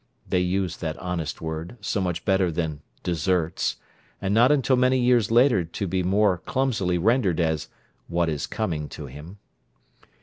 (They used that honest word, so much better than "deserts," and not until many years later to be more clumsily rendered as "what is coming to him.")